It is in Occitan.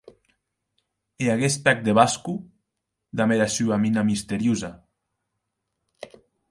E aguest pèc de Vasco, damb era sua mina misteriosa!